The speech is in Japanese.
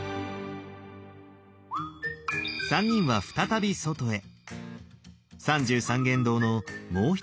３人は再び外へ。